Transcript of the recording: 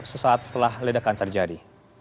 sesaat setelah ledakan terjadi